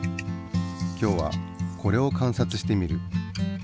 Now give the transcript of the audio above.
今日はこれを観察してみる。